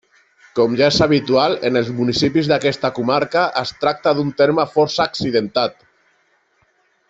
Com ja és habitual en els municipis d'aquesta comarca, es tracta d'un terme força accidentat.